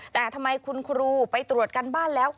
แต่ทำไมคุณครูไปตรวจการบ้านแล้ว